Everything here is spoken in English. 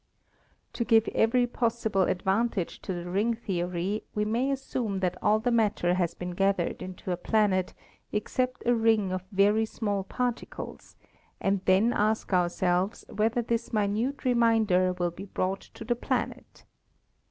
"To give every possible advantage to the ring theory, we may assume that all the matter has been gathered into a planet except a ring of very small particles, and then ask ourselves whether this minute remainder will be brought 316 ASTRONOMY to the planet.